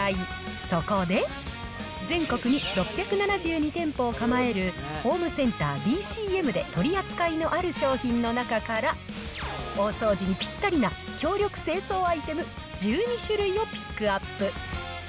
そこで、全国に６７２店舗を構える、ホームセンターＤＣＭで取り扱いのある商品の中から、大掃除にぴったりな強力清掃アイテム１２種類をピックアップ。